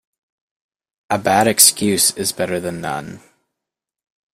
A bad excuse is better then none.